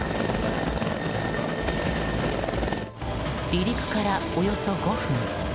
離陸からおよそ５分。